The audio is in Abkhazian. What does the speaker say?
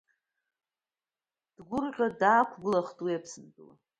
Дгәрӷьо даақәгылахт уи Аԥсынтәыла.